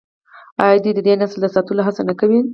آیا دوی د دې نسل د ساتلو هڅه نه کوي؟